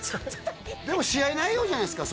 でも試合内容じゃないですか？